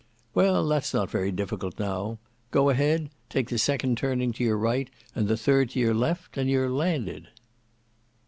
"Well; that's not very difficult now. Go a head; take the second turning to your right, and the third to your left, and you're landed."